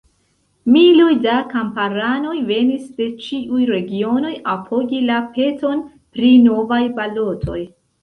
Miloj da kamparanoj venis de ĉiuj regionoj apogi la peton pri novaj balotoj.